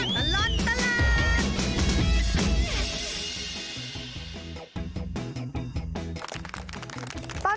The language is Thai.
ช่วงตลอดตลาด